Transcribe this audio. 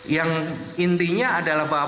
yang intinya adalah bahwa